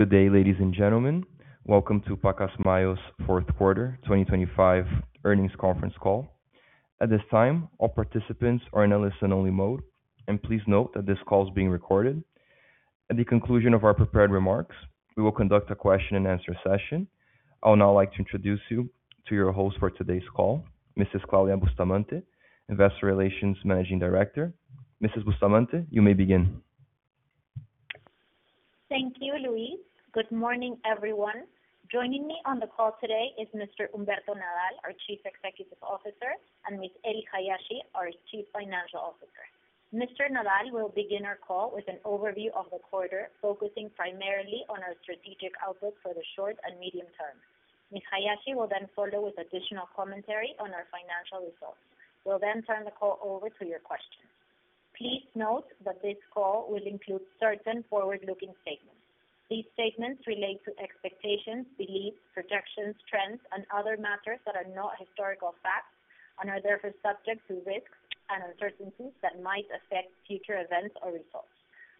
Good day, ladies and gentlemen. Welcome to Pacasmayo's Fourth Quarter 2025 Earnings Conference Call. At this time, all participants are in a listen-only mode, and please note that this call is being recorded. At the conclusion of our prepared remarks, we will conduct a question-and-answer session. I would now like to introduce you to your host for today's call, Mrs. Claudia Bustamante, Investor Relations Managing Director. Mrs. Bustamante, you may begin. Thank you, Luis. Good morning, everyone. Joining me on the call today is Mr. Humberto Nadal, our Chief Executive Officer, and Ms. Ely Hayashi, our Chief Financial Officer. Mr. Nadal will begin our call with an overview of the quarter, focusing primarily on our strategic outlook for the short and medium term. Ms. Hayashi will then follow with additional commentary on our financial results. We'll then turn the call over to your questions. Please note that this call will include certain forward-looking statements. These statements relate to expectations, beliefs, projections, trends, and other matters that are not historical facts and are therefore subject to risks and uncertainties that might affect future events or results.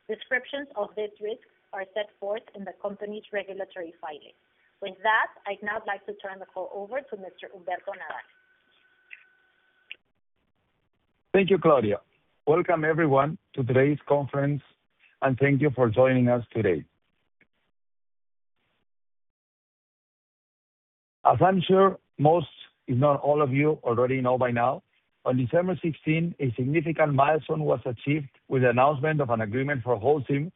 Descriptions of these risks are set forth in the company's regulatory filings. With that, I'd now like to turn the call over to Mr. Humberto Nadal. Thank you, Claudia. Welcome everyone to today's conference, and thank you for joining us today. As I'm sure most, if not all of you, already know by now, on December 16, a significant milestone was achieved with the announcement of an agreement for Holcim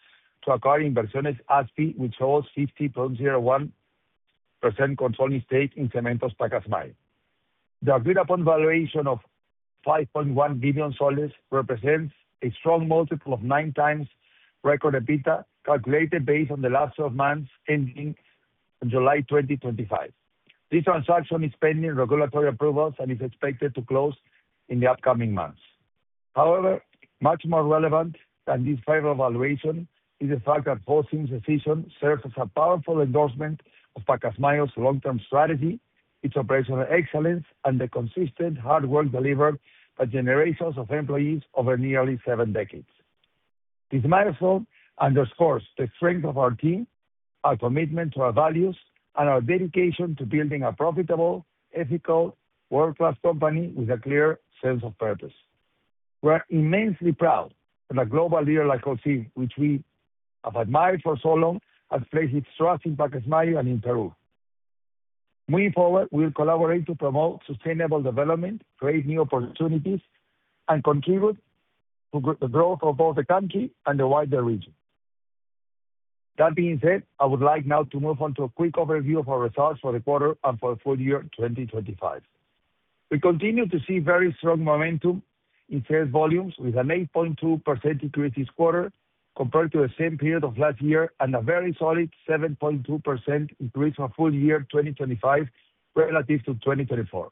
to acquire Inversiones ASPI, which holds 50.01% controlling stake in Cementos Pacasmayo. The agreed-upon valuation of PEN 5.1 billion represents a strong multiple of 9x record EBITDA, calculated based on the last twelve months ending in July 2025. This transaction is pending regulatory approvals and is expected to close in the upcoming months. However, much more relevant than this favorable valuation is the fact that Holcim's decision serves as a powerful endorsement of Pacasmayo's long-term strategy, its operational excellence, and the consistent hard work delivered by generations of employees over nearly seven decades. This milestone underscores the strength of our team, our commitment to our values, and our dedication to building a profitable, ethical, world-class company with a clear sense of purpose. We're immensely proud that a global leader like Holcim, which we have admired for so long, has placed its trust in Pacasmayo and in Peru. Moving forward, we'll collaborate to promote sustainable development, create new opportunities, and contribute to the growth of both the country and the wider region. That being said, I would like now to move on to a quick overview of our results for the quarter and for the full year 2025. We continue to see very strong momentum in sales volumes, with an 8.2% increase this quarter compared to the same period of last year, and a very solid 7.2% increase for full year 2025 relative to 2024.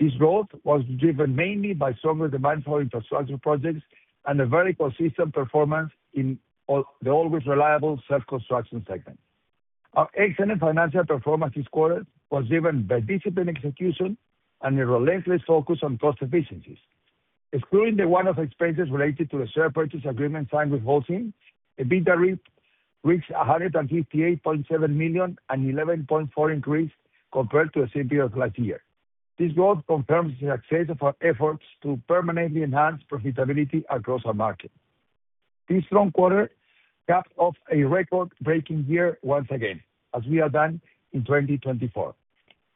This growth was driven mainly by stronger demand for infrastructure projects and a very consistent performance in all, the always reliable self-construction segment. Our excellent financial performance this quarter was driven by disciplined execution and a relentless focus on cost efficiencies. Excluding the one-off expenses related to the share purchase agreement signed with Holcim, EBITDA reached PEN 158.7 million, an 11.4 increase compared to the same period last year. This growth confirms the success of our efforts to permanently enhance profitability across our market. This strong quarter capped off a record-breaking year once again, as we have done in 2024.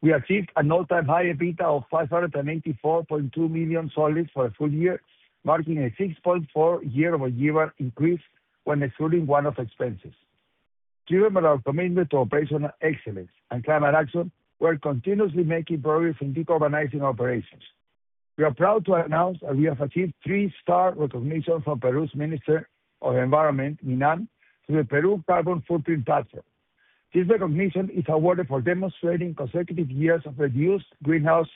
We achieved an all-time high EBITDA of PEN 584.2 million for a full year, marking a 6.4 year-over-year increase when excluding one-off expenses. True to our commitment to operational excellence and climate action, we're continuously making progress in decarbonizing operations. We are proud to announce that we have achieved three-star recognition from Peru's Minister of Environment, MINAM, through the Peru Carbon Footprint Platform. This recognition is awarded for demonstrating consecutive years of reduced greenhouse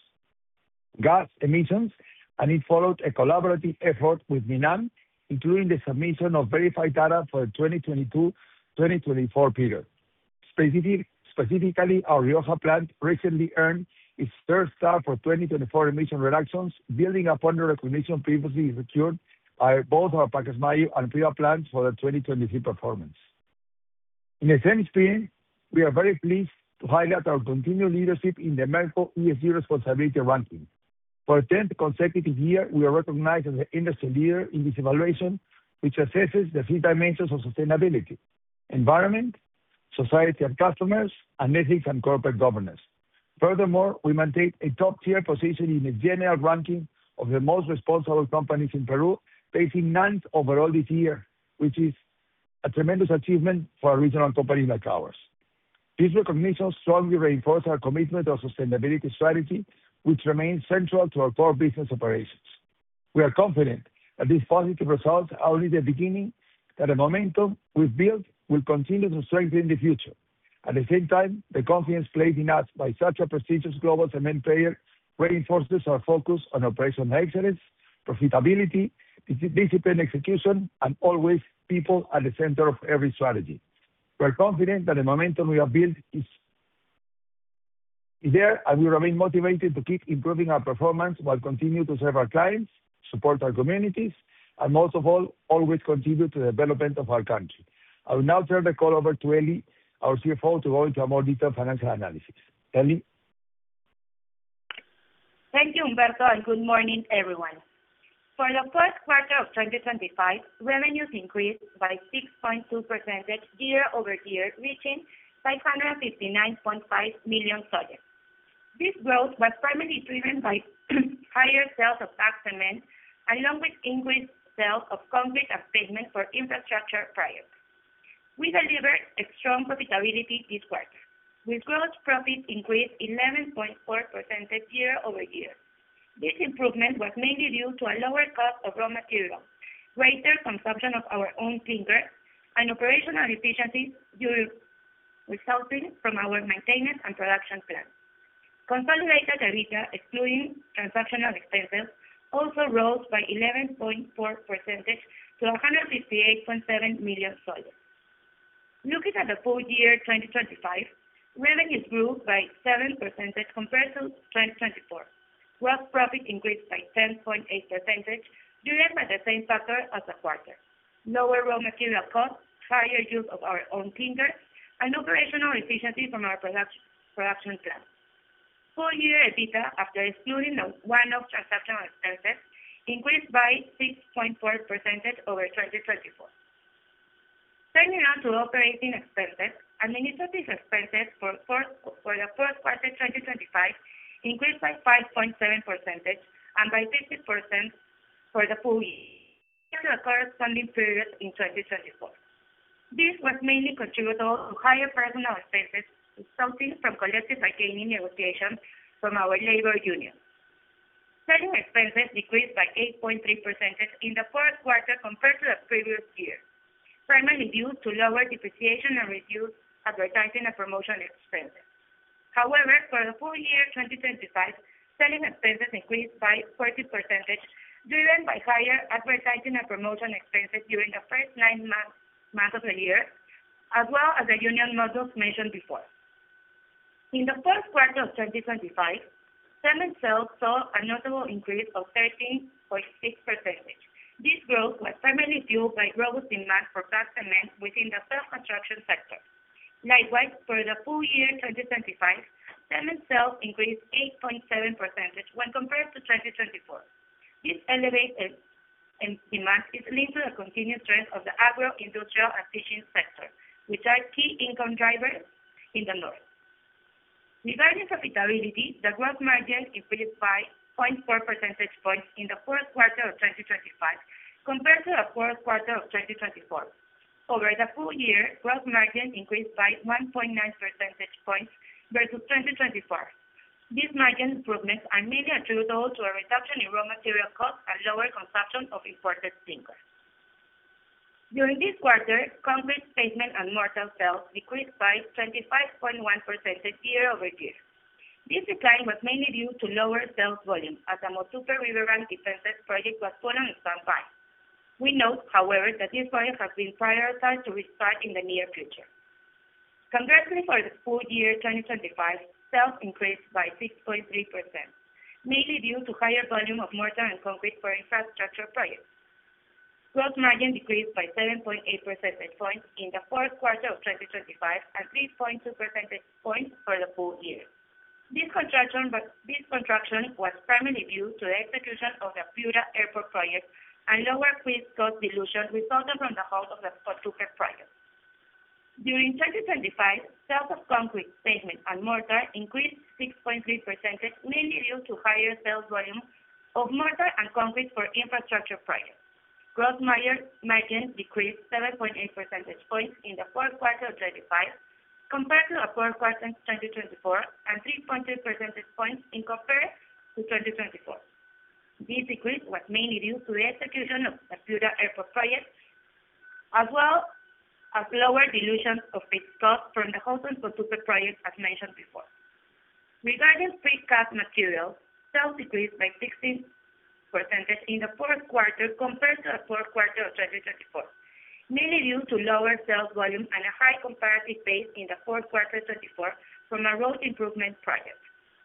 gas emissions, and it followed a collaborative effort with MINAM, including the submission of verified data for the 2022-2024 period. Specifically, our Rioja plant recently earned its third star for 2024 emission reductions, building upon the recognition previously secured by both our Pacasmayo and Piura plants for the 2023 performance. In the same spirit, we are very pleased to highlight our continued leadership in the Merco ESG Sustainability Ranking. For a 10th consecutive year, we are recognized as the industry leader in this evaluation, which assesses the three dimensions of sustainability: environment, society and customers, and ethics and corporate governance. Furthermore, we maintain a top-tier position in the general ranking of the most responsible companies in Peru, placing ninth overall this year, which is a tremendous achievement for a regional company like ours. These recognitions strongly reinforce our commitment to our sustainability strategy, which remains central to our core business operations. We are confident that these positive results are only the beginning, that the momentum we've built will continue to strengthen the future. At the same time, the confidence placed in us by such a prestigious global cement player reinforces our focus on operational excellence, profitability, disciplined execution, and always people at the center of every strategy. We're confident that the momentum we have built is there, and we remain motivated to keep improving our performance, while continuing to serve our clients, support our communities, and most of all, always contribute to the development of our country. I will now turn the call over to Ely, our CFO, to go into a more detailed financial analysis. Ely? Thank you, Humberto, and good morning, everyone. For the first quarter of 2025, revenues increased by 6.2% year-over-year, reaching PEN 559.5 million. This growth was primarily driven by higher sales of bagged cement, along with increased sales of concrete and pavement for infrastructure projects. We delivered a strong profitability this quarter, with gross profit increased 11.4% year-over-year. This improvement was mainly due to a lower cost of raw materials, greater consumption of our own clinker, and operational efficiencies resulting from our maintenance and production plan. Consolidated EBITDA, excluding transactional expenses, also rose by 11.4% to PEN 158.7 million. Looking at the full year 2025, revenues grew by 7% compared to 2024. Gross profit increased by 10.8%, driven by the same factor as the quarter. Lower raw material costs, higher use of our own clinker, and operational efficiency from our production plant. Full year EBITDA, after excluding the one-off transactional expenses, increased by 6.4% over 2024. Turning now to operating expenses. Administrative expenses for the first quarter 2025 increased by 5.7% and by 50% for the full year to the corresponding period in 2024. This was mainly attributable to higher personnel expenses resulting from collective bargaining negotiations from our labor union. Selling expenses decreased by 8.3% in the fourth quarter compared to the previous year, primarily due to lower depreciation and reduced advertising and promotional expenses. However, for the full year 2025, selling expenses increased by 40%, driven by higher advertising and promotion expenses during the first nine months of the year, as well as the union modules mentioned before. In the fourth quarter of 2025, cement sales saw a notable increase of 13.6%. This growth was primarily fueled by robust demand for bagged cement within the self-construction sector. Likewise, for the full year 2025, cement sales increased 8.7% when compared to 2024. This elevated in demand is linked to the continued strength of the agro-industrial and fishing sector, which are key income drivers in the north. Regarding profitability, the gross margin increased by 0.4 percentage points in the fourth quarter of 2025 compared to the fourth quarter of 2024. Over the full year, gross margin increased by 1.9 percentage points versus 2024. These margin improvements are mainly attributable to a reduction in raw material costs and lower consumption of imported clinker. During this quarter, concrete, pavement, and mortar sales decreased by 25.1% year-over-year. This decline was mainly due to lower sales volume, as the Motupe Riverbank Defense Project was put on standby. We note, however, that this project has been prioritized to restart in the near future. Conversely, for the full year 2025, sales increased by 6.3%, mainly due to higher volume of mortar and concrete for infrastructure projects. Gross margin decreased by 7.8 percentage points in the fourth quarter of 2025 and 3.2 percentage points for the full year. This contraction was primarily due to the execution of the Piura Airport project and lower fixed cost dilution resulting from the halt of the Motupe project. During 2025, sales of concrete, pavement, and mortar increased 6.3%, mainly due to higher sales volume of mortar and concrete for infrastructure projects. Gross margin decreased 7.8 percentage points in the fourth quarter of 2025 compared to the fourth quarter 2024, and 3.3 percentage points in compared to 2024. This decrease was mainly due to the execution of the Piura Airport project, as well as lower dilution of fixed costs from the halt of Motupe project, as mentioned before. Regarding precast materials, sales decreased by 16% in the fourth quarter compared to the fourth quarter of 2024, mainly due to lower sales volume and a high comparative base in the fourth quarter 2024 from a road improvement project.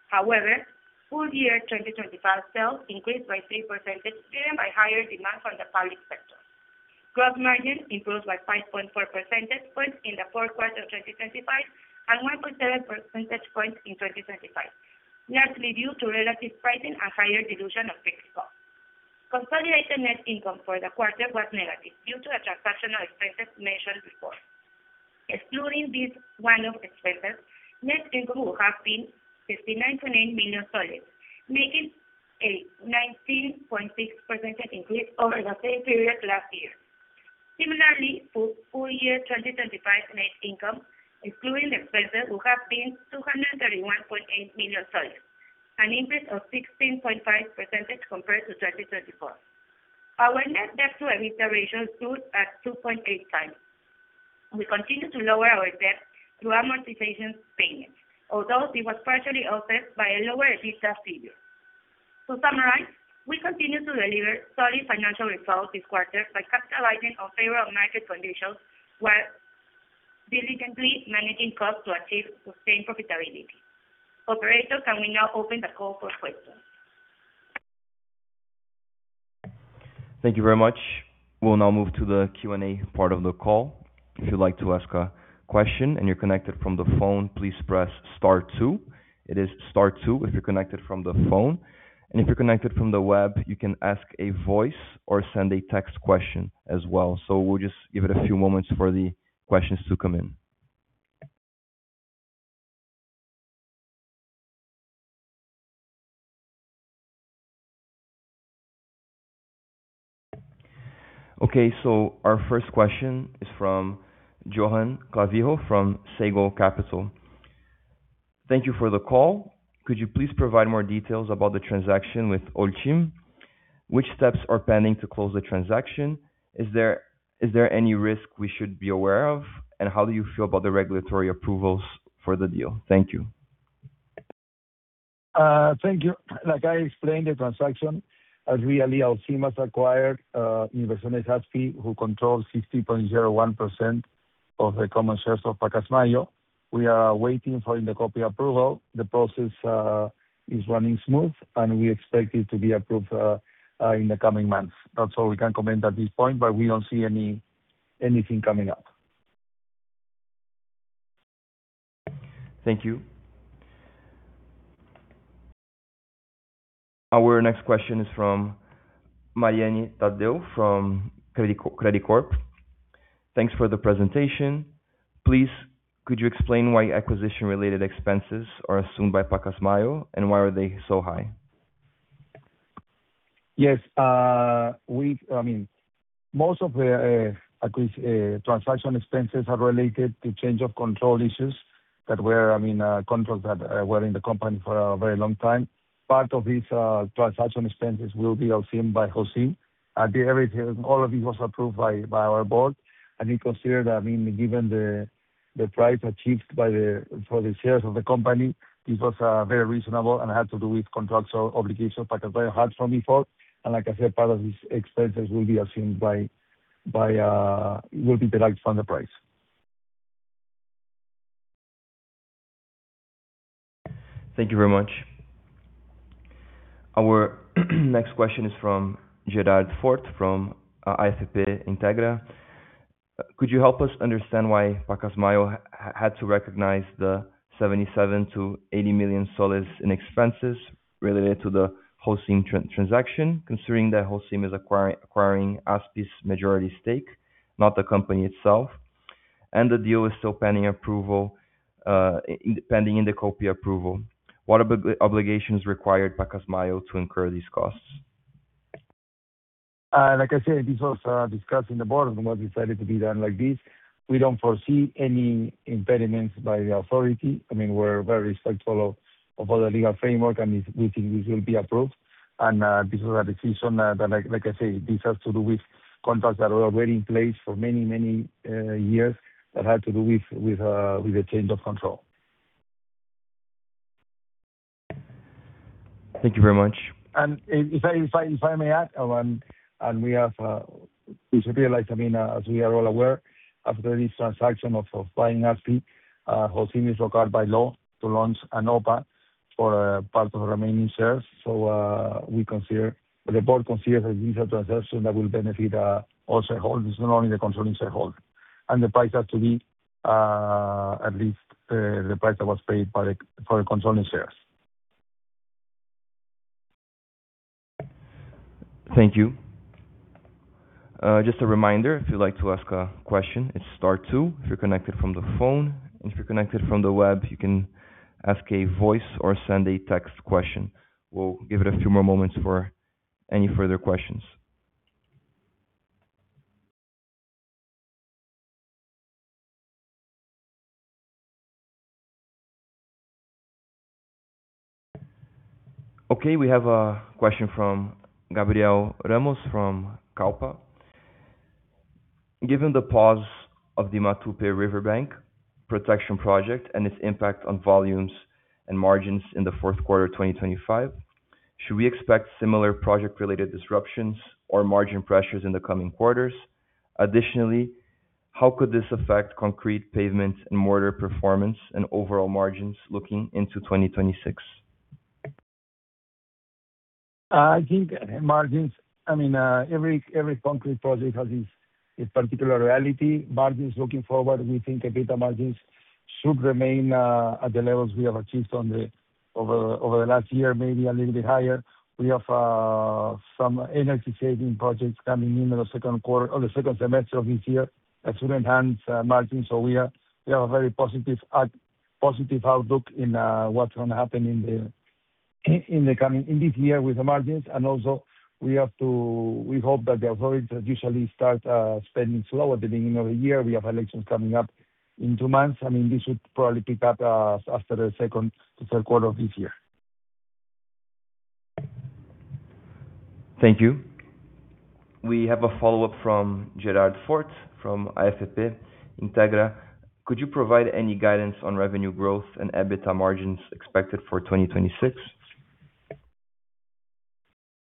However, full year 2025 sales increased by 3%, driven by higher demand from the public sector. Gross margin improved by 5.4 percentage points in the fourth quarter of 2025, and 1.7 percentage points in 2025, mainly due to relative pricing and higher dilution of fixed costs. Consolidated net income for the quarter was negative due to the transactional expenses mentioned before. Excluding these one-off expenses, net income would have been PEN 59.8 million, making a 19.6% increase over the same period last year. Similarly, for full year 2025, net income, excluding expenses, would have been PEN 231.8 million, an increase of 16.5% compared to 2024. Our Net Debt to EBITDA ratio stood at 2.8x. We continue to lower our debt through amortization payments, although it was partially offset by a lower EBITDA figure, to summarize, we continue to deliver solid financial results this quarter by capitalizing on favorable market conditions while diligently managing costs to achieve sustained profitability. Operator, can we now open the call for questions? Thank you very much. We'll now move to the Q&A part of the call. If you'd like to ask a question and you're connected from the phone, please press star two. It is star two if you're connected from the phone, and if you're connected from the web, you can ask a voice or send a text question as well. So we'll just give it a few moments for the questions to come in. Okay, so our first question is from Johan Clavijo, from Sego Capital. Thank you for the call. Could you please provide more details about the transaction with Holcim? Which steps are pending to close the transaction? Is there, is there any risk we should be aware of, and how do you feel about the regulatory approvals for the deal? Thank you. Thank you. Like I explained, the transaction, as we earlier, Holcim has acquired Inversiones ASPI, who controls 50.01% of the common shares of Pacasmayo. We are waiting for the INDECOPI approval. The process is running smooth, and we expect it to be approved in the coming months. That's all we can comment at this point, but we don't see anything coming up. Thank you. Our next question is from Mariana Taddeo, from Credicorp. Thanks for the presentation. Please, could you explain why acquisition-related expenses are assumed by Pacasmayo, and why are they so high? Yes. I mean, most of the transaction expenses are related to change of control issues that were, I mean, controls that were in the company for a very long time. Part of these transaction expenses will be assumed by Holcim. At the end, all of it was approved by our board, and we considered, I mean, given the price achieved by the for the shares of the company, this was very reasonable and had to do with contractual obligations Pacasmayo had from before. And like I said, part of these expenses will be assumed by will be derived from the price. Thank you very much. Our next question is from Gerard Fort, from AFP Integra. Could you help us understand why Pacasmayo had to recognize the PEN 77 million-PEN 80 million in expenses related to the Holcim transaction, considering that Holcim is acquiring ASPI's majority stake, not the company itself, and the deal is still pending approval, pending INDECOPI approval? What obligations required Pacasmayo to incur these costs? Like I said, this was discussed in the board, and we decided to be done like this. We don't foresee any impediments by the authority. I mean, we're very respectful of all the legal framework, and we think this will be approved. And this was a decision that, like, like I say, this has to do with contracts that were already in place for many, many years. That had to do with the change of control. Thank you very much. And if I may add, it should be like, I mean, as we are all aware, after this transaction of buying ASPI, Holcim is required by law to launch an OPA for part of the remaining shares. So, the board considers this a transaction that will benefit all shareholders, not only the controlling shareholder. And the price has to be at least the price that was paid for the controlling shares. Thank you. Just a reminder, if you'd like to ask a question, it's star two if you're connected from the phone. If you're connected from the web, you can ask a voice or send a text question. We'll give it a few more moments for any further questions. Okay, we have a question from Gabriel Ramos, from Kallpa. Given the pause of the Motupe Riverbank Protection Project and its impact on volumes and margins in the fourth quarter of 2025, should we expect similar project-related disruptions or margin pressures in the coming quarters? Additionally, how could this affect concrete, pavement, and mortar performance and overall margins looking into 2026? I think margins, I mean, every concrete project has its particular reality. Margins looking forward, we think EBITDA margins should remain at the levels we have achieved over the last year, maybe a little bit higher. We have some energy-saving projects coming in the second quarter or the second semester of this year that should enhance margins. So we are, we have a very positive outlook in what's gonna happen in the coming in this year with the margins. And also we have to, we hope that the authorities usually start spending slow at the beginning of the year. We have elections coming up in two months. I mean, this should probably pick up after the second, third quarter of this year. Thank you. We have a follow-up from Gerard Fort, from AFP Integra. Could you provide any guidance on revenue growth and EBITDA margins expected for 2026?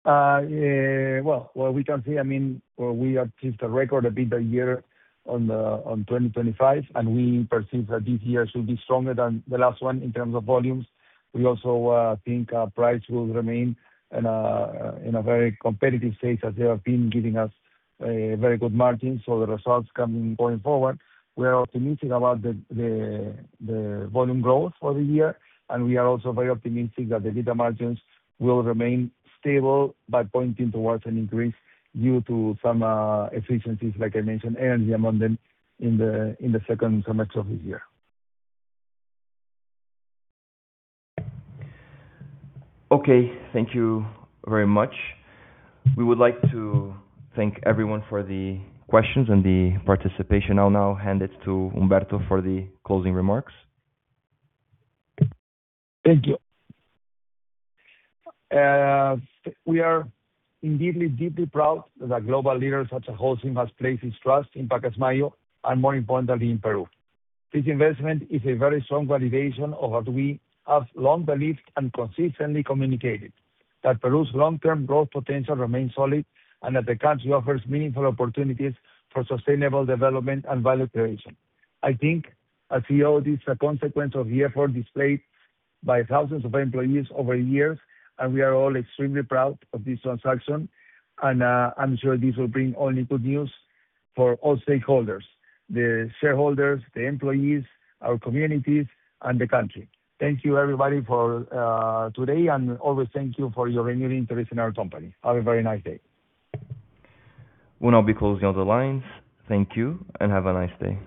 Well, what we can say, I mean, we achieved a record EBITDA year in 2025, and we perceive that this year should be stronger than the last one in terms of volumes. We also think our price will remain in a very competitive state, as they have been giving us very good margins. So the results coming going forward, we are optimistic about the volume growth for the year, and we are also very optimistic that the EBITDA margins will remain stable by pointing towards an increase due to some efficiencies, like I mentioned, energy among them, in the second semester of the year. Okay, thank you very much. We would like to thank everyone for the questions and the participation. I'll now hand it to Humberto for the closing remarks. Thank you. We are indeed deeply proud that a global leader such as Holcim has placed its trust in Pacasmayo, and more importantly, in Peru. This investment is a very strong validation of what we have long believed and consistently communicated, that Peru's long-term growth potential remains solid, and that the country offers meaningful opportunities for sustainable development and value creation. I think as CEO, this is a consequence of the effort displayed by thousands of employees over years, and we are all extremely proud of this transaction. I'm sure this will bring only good news for all stakeholders, the shareholders, the employees, our communities, and the country. Thank you, everybody, for today, and always thank you for your renewed interest in our company. Have a very nice day. We'll now be closing all the lines. Thank you, and have a nice day.